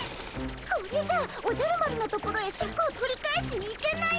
これじゃおじゃる丸のところへシャクを取り返しに行けないよ。